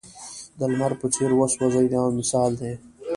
د لمر په څېر وسوځئ دا یو مثال دی.